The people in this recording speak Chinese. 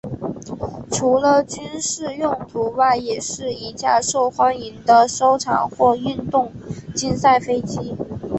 除了军事用途外也是一架受欢迎的收藏或运动竞赛飞机。